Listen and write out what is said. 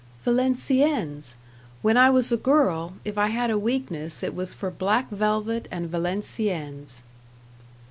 "Valenciennes. When I was a girl, if I had a weakness it was for black velvet and Valenciennes."